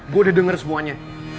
gue udah denger semuanya